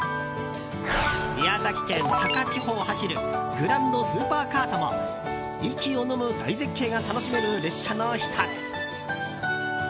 宮崎県高千穂を走るグランドスーパーカートも息をのむ大絶景が楽しめる列車の１つ。